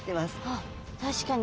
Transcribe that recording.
あっ確かに。